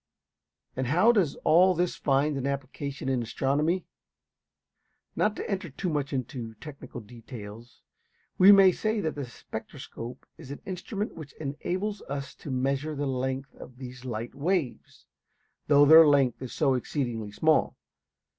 And how does all this find an application in astronomy? Not to enter too much into technical details, we may say that the spectroscope is an instrument which enables us to measure the length of these light waves, though their length is so exceedingly small.